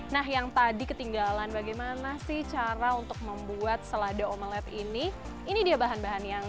nah yang tadi ketinggalan bagaimana sih cara untuk membuat selada omelette ini ini dia bahan bahan yang